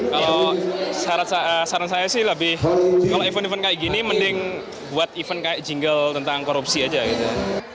kalau saran saya sih lebih kalau event event kayak gini mending buat event kayak jingle tentang korupsi aja gitu